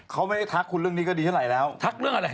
เขาไม่ได้ทักคุณเรื่องนี้ก็ดีเท่าไหร่แล้วทักเรื่องอะไร